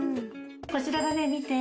こちらがね見て。